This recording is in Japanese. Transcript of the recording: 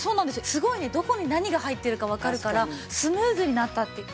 すごいねどこに何が入ってるかわかるからスムーズになったって。